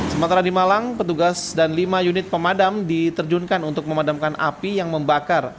sementara di malang petugas dan lima unit pemadam diterjunkan untuk memadamkan api yang membakar